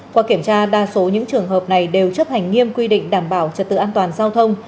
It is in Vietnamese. qua kiểm tra đa số những trường hợp này đều chấp hành nghiêm quy định đảm bảo trật tự an toàn giao thông